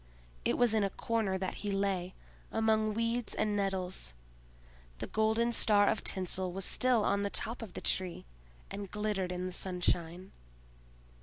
It was in a corner that he lay, among weeds and nettles. The golden star of tinsel was still on the top of the Tree, and glittered in the sunshine.